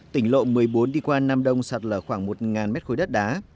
tỉnh lộ một mươi bốn đi qua nam đông sạt lở khoảng một mét khối đất đá